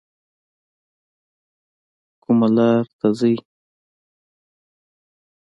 کومه لار ته ځئ؟